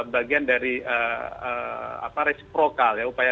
bagian dari apa resprokal ya upaya